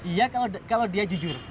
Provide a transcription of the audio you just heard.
iya kalau dia jujur